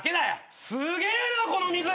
すげえなこの水！